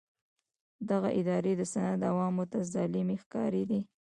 دغه ادارې د سند عوامو ته ظالمې ښکارېدې.